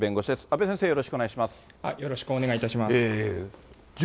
阿部先生、よろしくお願いいたします。